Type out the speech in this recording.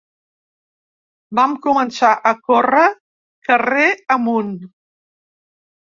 Vam començar a córrer carrer amunt.